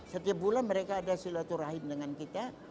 setiap bulan mereka ada silaturahim dengan kita